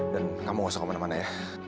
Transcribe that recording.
dan kamu gak usah kemana mana ya